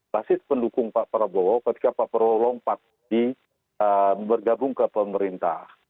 basis pendukung pak prabowo ketika pak prabowo lompat di bergabung ke pemerintah